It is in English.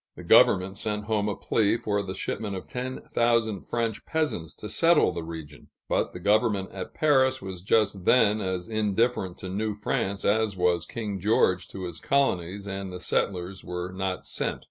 The governor sent home a plea for the shipment of ten thousand French peasants to settle the region; but the government at Paris was just then as indifferent to New France as was King George to his colonies, and the settlers were not sent.